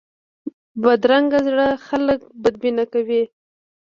بدرنګه زړه خلک بدبینه کوي